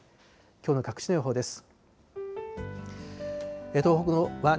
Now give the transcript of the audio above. きょうの各地の予報です。